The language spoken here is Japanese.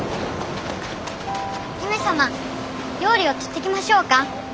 姫様料理を取ってきましょうか？